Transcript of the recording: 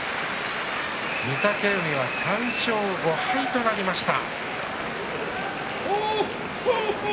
御嶽海は、３勝５敗となりました。